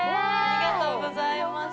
ありがとうございます。